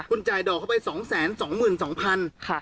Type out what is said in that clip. คุณจ่ายดอกเข้าไปสองแสนสองหมื่นสองพันค่ะ